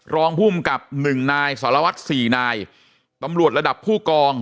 รองภูมิกับหนึ่งนายสารวัตรสี่นายตำรวจระดับผู้กอง